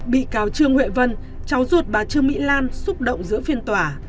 bị cáo trương huệ vân cháu ruột bà trương mỹ lan xúc động giữa phiên tòa